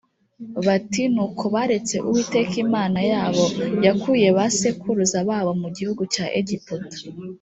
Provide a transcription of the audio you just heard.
bati ‘Ni uko baretse Uwiteka Imana yabo yakuye ba sekuruza babo mu gihugu cya Egiputa